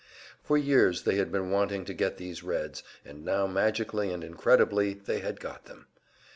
For years they had been wanting to get these Reds, and now magically and incredibly, they had got them!